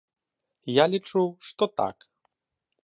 Я лічу, што так.